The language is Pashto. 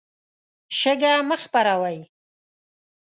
شګه مه خپروئ.